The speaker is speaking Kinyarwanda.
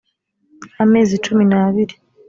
amezi cumi n abiri